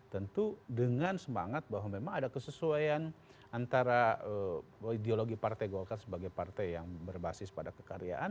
tentu dengan semangat bahwa memang ada kesesuaian antara ideologi partai golkar sebagai partai yang berbasis pada kekaryaan